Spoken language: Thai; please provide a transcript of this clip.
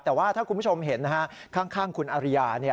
แต่ว่าถ้าคุณผู้ชมเห็นข้างคุณอริยา